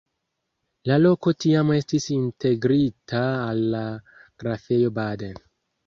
La loko tiam estis integrita al la Grafejo Baden.